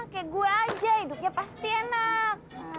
kayak gue aja hidupnya pasti enak